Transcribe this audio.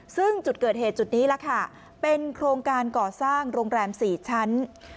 ซึ่งจุดเกิดเหตุจุดนี้ล่ะค่ะเป็นโครงการก่อสร้างโรงแรม๔ชั้น